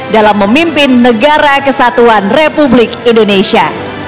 dalam memimpin negara kesatuan republik indonesia